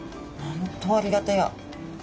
本当ありがたや。